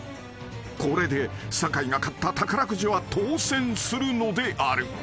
［これで酒井が買った宝くじは当せんするのである］